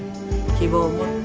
希望を持って。